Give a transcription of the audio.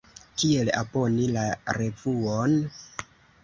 Kiel aboni la revuon?